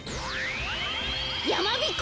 やまびこ